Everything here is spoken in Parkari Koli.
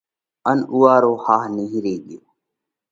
ان اُوئا رو ۿاه نِيهري ڳيو۔